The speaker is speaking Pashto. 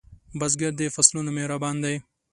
بزګر د فصلونو مهربان دی